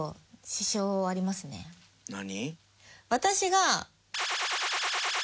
何？